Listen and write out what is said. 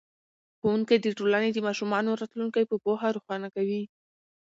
ښوونکی د ټولنې د ماشومانو راتلونکی په پوهه روښانه کوي.